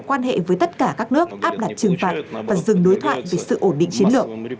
quan hệ với tất cả các nước áp đặt trừng phạt và dừng đối thoại về sự ổn định chiến lược